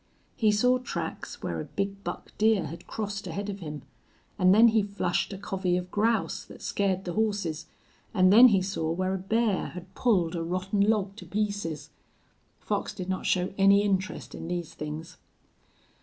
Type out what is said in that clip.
He saw tracks where a big buck deer had crossed ahead of him, and then he flushed a covey of grouse that scared the horses, and then he saw where a bear had pulled a rotten log to pieces. Fox did not show any interest in these things.